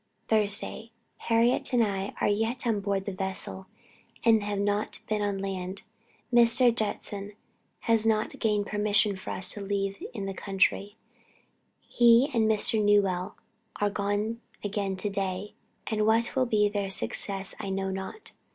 "Thursday. Harriet and I are yet on board the vessel, and have not been on land. Mr. Judson has not yet gained permission for us to live in the country. He and Mr. Newell are gone again to day, and what will be their success I know not.